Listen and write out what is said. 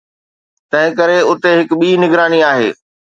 تنهنڪري اتي هڪ ٻي نگراني آهي